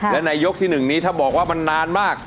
และในยกที่๑นี้ถ้าบอกว่ามันนานมาก